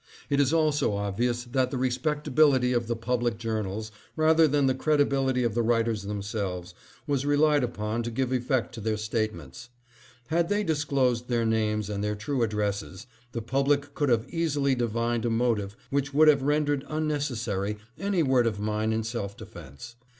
It is also obvious that the respectability of the public journals, rather than the credibility of the writers themselves, was relied upon to give effect to their statements. Had they disclosed their names and their true addresses, the public could have easily divined a motive which would have rendered unnecessary any word of mine in self defense.